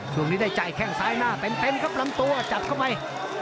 ช่วงนี้ได้ใจแข้งซ้ายหน้าเต็มครับลำตัวจับเข้าไป